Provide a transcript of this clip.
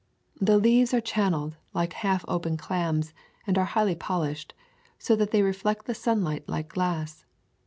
The leaves are channeled like half open clams and are highly polished, so that they reflect the sunlight like glass.